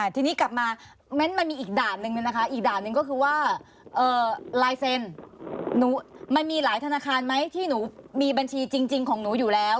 ทีนี้กลับมามันมีอีกด่านหนึ่งนะคะอีกด่านหนึ่งก็คือว่าลายเซ็นมันมีหลายธนาคารไหมที่หนูมีบัญชีจริงของหนูอยู่แล้ว